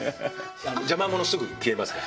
邪魔者すぐ消えますから！